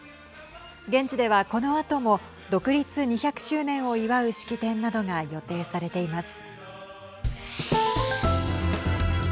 現地では、このあとも独立２００周年を祝う式典などが予定されています。